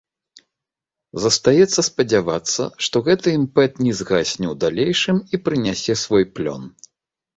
Застаецца спадзявацца, што гэты імпэт не згасне ў далейшым і прынясе свой плён.